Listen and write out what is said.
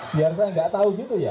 biar saya gak tau gitu ya